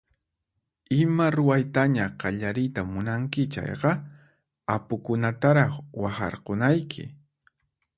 Ima ruwaytaña qallariyta munanki chayqa apukunataraq waqharkunayki.